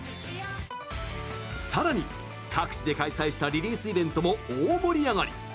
さらに、各地で開催したリリースイベントも大盛り上がり。